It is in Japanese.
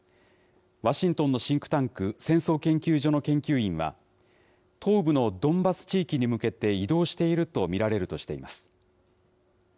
ワシントンのシンクタンク、戦争研究所の研究員は、東部のドンバス地域に向けて移動していると見られるとしています。